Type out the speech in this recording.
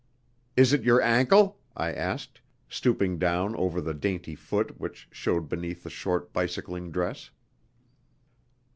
"Is it your ankle?" I asked, stooping down over the dainty foot which showed beneath the short bicycling dress.